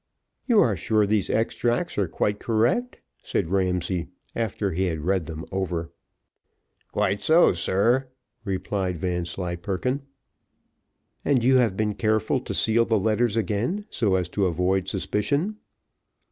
"You are sure these extracts are quite correct?" said Ramsay, after he had read them over. "Quite so, sir," replied Vanslyperken. "And you have been careful to seal the letters again, so as to avoid suspicion?"